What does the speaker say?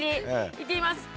いってみます。